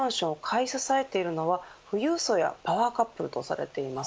買い支えているのは富裕層やパワーカップルとされています。